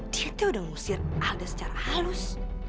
dia tuh udah ngusir ada secara halus